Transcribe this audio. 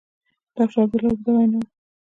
ډاکټر عبدالله اوږده وینا وکړه.